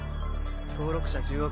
登録者１０億